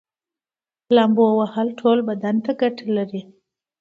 لامبو وهل ټول بدن ته ګټه لري